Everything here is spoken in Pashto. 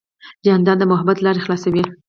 جانداد د محبت لارې خلاصوي.